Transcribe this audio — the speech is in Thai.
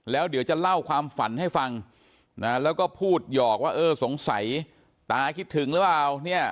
แล้วเดี๋ยวจะเล่าความฝันให้ฟังนะแล้วก็พูดหยอกว่าเออสงสัยตาคิดถึงหรือเปล่าเนี่ย